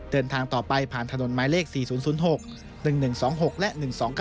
เดินทางต่อไปผ่านถนนไม้เลข๔๐๐๖๑๑๒๖และ๑๒๙